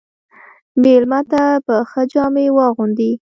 مېلمه ته به ښه جامې واغوندې.